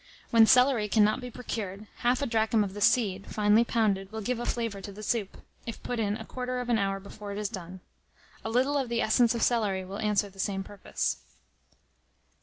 When celery cannot be procured, half a drachm of the seed, finely pounded, will give a flavour to the soup, if put in a quarter of an hour before it is done. A little of the essence of celery will answer the same purpose.